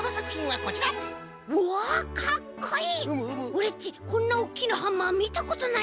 オレっちこんなおっきなハンマーみたことないよ。